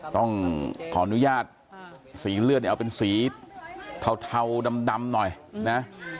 ต้องขออนุญาตสีเลือดเนี่ยเอาเป็นสีเทาดำหน่อยนะ